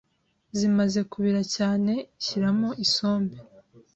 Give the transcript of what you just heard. zimaze kubira cyane shyiramo isombe